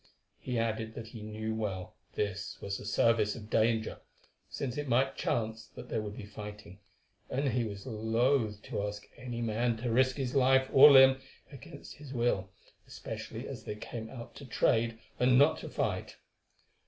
He added that he knew well this was a service of danger, since it might chance that there would be fighting, and he was loth to ask any man to risk life or limb against his will, especially as they came out to trade and not to fight.